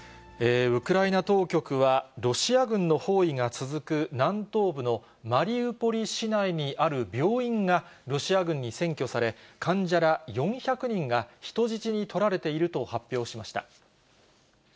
ウクライナ当局は、ロシア軍の包囲が続く南東部のマリウポリ市内にある病院がロシア軍に占拠され、患者ら、４００人が人質に取られていると発表しました。